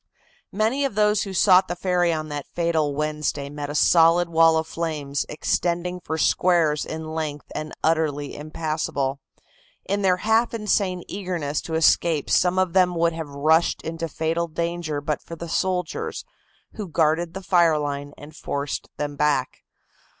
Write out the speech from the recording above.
Many of those who sought the ferry on that fatal Wednesday met a solid wall of flames extending for squares in length and utterly impassable. In their half insane eagerness to escape some of them would have rushed into fatal danger but for the soldiers, who guarded the fire line and forced them back.